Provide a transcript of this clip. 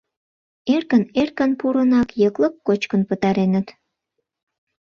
Эркын-эркын пурынак, йыклык кочкын пытареныт.